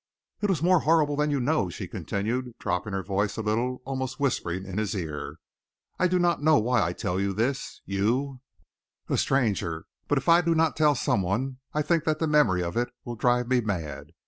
"It was more horrible than you know," she continued, dropping her voice a little, almost whispering in his ear. "I do not know why I tell you this you, a stranger but if I do not tell some one, I think that the memory of it will drive me mad.